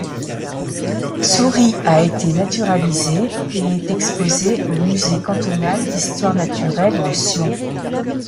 Souris a été naturalisée et est exposée au musée cantonal d'histoire naturelle de Sion.